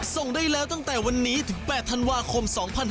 ส่งได้แล้วตั้งแต่วันนี้ถึง๘ธันวาคม๒๕๕๙